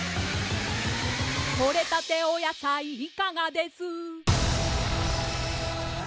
「とれたてお野菜いかがです」